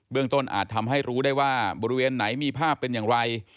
เรื่องต้นอาจทำให้รู้ได้ว่าบริเวณไหนมีภาพเป็นอย่างไร